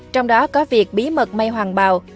trong đó có việc bí mật may hoàng bào